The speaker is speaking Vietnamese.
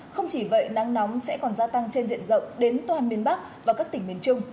không chỉ vậy nắng nóng sẽ còn gia tăng trên diện rộng đến toàn miền bắc và các tỉnh miền trung